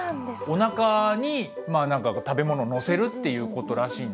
おなかにまあ何か食べ物をのせるっていう事らしいんだけど。